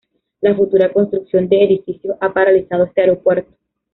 La futura construcción de edificios ha paralizado este aeropuerto.